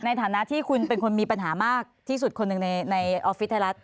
ในฐานะที่คุณเป็นคนมีปัญหามากที่สุดคนหนึ่งในออฟฟิศไทยรัฐ